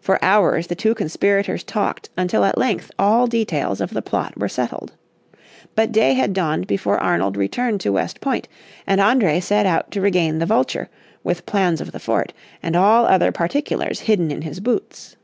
For hours the two conspirators talked until at length all details of the plot were settled. But day had dawned before Arnold returned to West Point, and André set out to regain the Vulture, with plans of the fort, and all other particulars hidden in his boots.